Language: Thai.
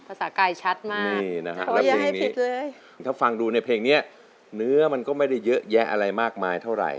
ภาษากายชัดมากนี่นะฮะแล้วเพลงนี้ถ้าฟังดูในเพลงนี้เนื้อมันก็ไม่ได้เยอะแยะอะไรมากมายเท่าไหร่